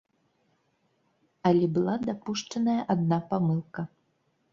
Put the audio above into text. Але была дапушчаная адна памылка.